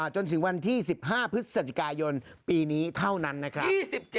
จนถึงวันที่๑๕พฤศจิกายนปีนี้เท่านั้นนะครับ